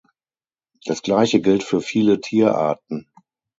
Das gleiche gilt für viele Tierarten.